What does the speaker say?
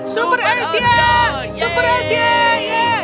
super asia super asia